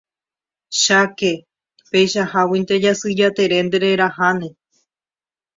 Cháke, peichaháguinte Jasy Jatere ndereraháne.